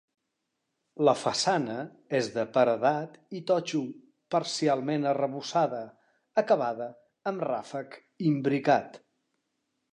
La façana és de paredat i totxo, parcialment arrebossada, acabada amb ràfec imbricat.